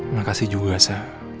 makasih juga sa